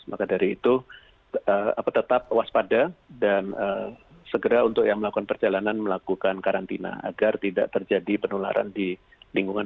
maka dari itu tetap waspada dan segera untuk yang melakukan perjalanan melakukan karantina agar tidak terjadi penularan di lingkungan